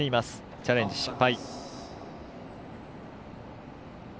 チャレンジ失敗。